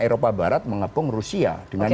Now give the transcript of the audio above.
eropa barat mengepung rusia dengan